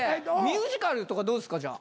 ミュージカルとかどうですか？